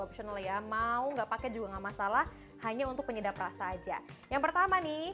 optional ya mau nggak pakai juga enggak masalah hanya untuk penyedap rasa aja yang pertama nih